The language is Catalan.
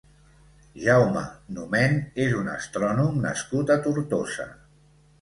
Jaume Nomen és un astrònom nascut a Tortosa.